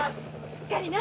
しっかりな！